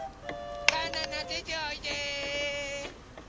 バナナでておいで！